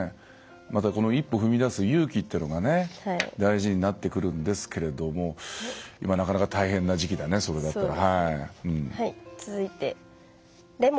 また、一歩踏み出す勇気っていうのが大事になってくるんですけれども今、なかなか大変な時期だねそれだったら。